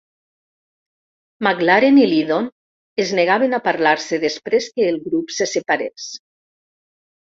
McLaren i Lydon es negaven a parlar-se després que el grup se separés.